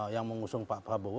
yang mengusung pak prabowo